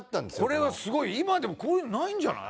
これはすごい今でもこういうのないんじゃない？